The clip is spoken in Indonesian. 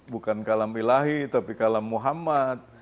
bukan kalam ilahi tapi kalam muhammad